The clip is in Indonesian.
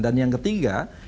dan yang ketiga